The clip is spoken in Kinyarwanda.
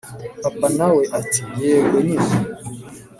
papa nawe ati yego nyine